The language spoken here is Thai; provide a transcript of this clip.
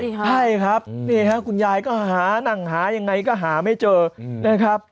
ใช่ครับนี่ฮะคุณยายก็หานั่งหายังไงก็หาไม่เจอนะครับ